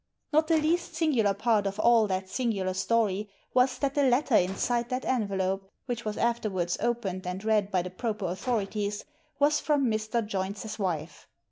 Not the least singular part of all that singular story was that the letter inside that envelope, which was afterwards opened and read by the proper authorities, was from Mr. Joynes's wife.